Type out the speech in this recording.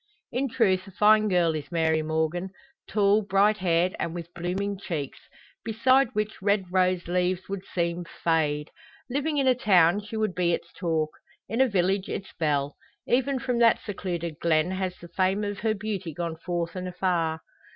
In truth a fine girl is Mary Morgan, tall, bright haired, and with blooming cheeks, beside which red rose leaves would seem fade. Living in a town she would be its talk; in a village its belle. Even from that secluded glen has the fame of her beauty gone forth and afar.